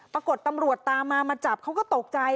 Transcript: ปรากฏตำรวจตามมามาจับเขาก็ตกใจ